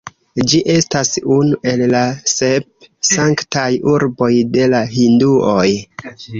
Ĝi estas unu el la sep sanktaj urboj de la hinduoj.